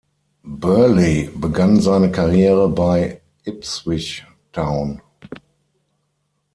Burley begann seine Karriere bei Ipswich Town.